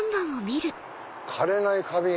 「枯れない花瓶」。